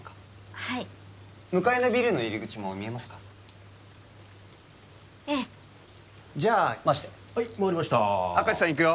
はい向かいのビルの入り口も見えますかええじゃあ回してはい回りました明石さんいくよ